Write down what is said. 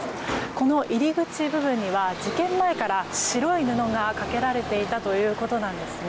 この入り口部分には事件前から白い布がかけられていたということなんですが